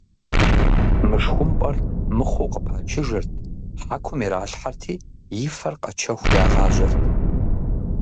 Мышхумпӏэр мыхъуу къыпачыжырт, хьэкум иралъхьэрти, и фэр къэчэху, ягъажьэрт.